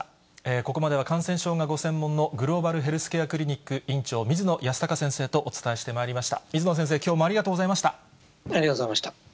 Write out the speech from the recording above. ここまでは、感染症がご専門のグローバルヘルスケアクリニック院長、水野泰孝先生とお伝えしてまいりました。